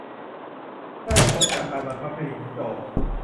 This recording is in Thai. เพื่อให้พ้นจากการบังคับคดีของโจทก์